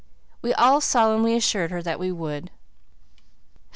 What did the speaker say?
We all solemnly assured her that we would.